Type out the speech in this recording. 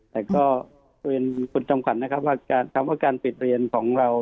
แต่ก็บินคุณจำขวัญว่าการปิดเรียนของเรา